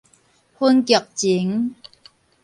分局前